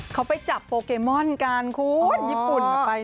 เขาไปจับโปเกมอนกันคุณญี่ปุ่น